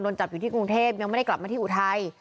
จับอยู่ที่กรุงเทพยังไม่ได้กลับมาที่อุทัย